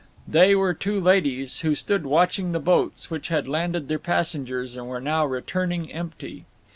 They were two ladies, who stood watching the boats, which had landed their passengers and were now returning empty.